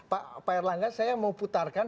pak erlangga saya mau putarkan